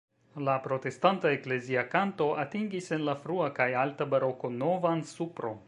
La protestanta eklezia kanto atingis en la frua kaj alta baroko novan supron.